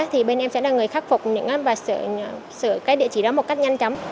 thì bên em sẽ là người khắc phục và sửa cái địa chỉ đó một cách nhanh chóng